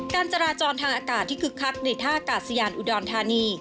การจราจรทางอากาศที่คึกคักในท่ากาศยานอุดรธานี